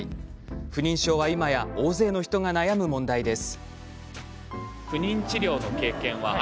不妊症は今や大勢の人が悩む問題です。